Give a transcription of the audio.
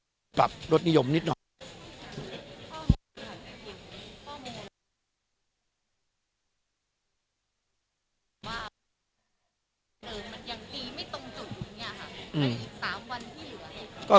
มันยังดีไม่ตรงจุดอย่างนี้ค่ะอืม